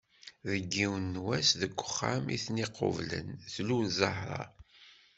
Deg yiwen n wass deg uxxam i ten-id-iqublen tlul Zahra.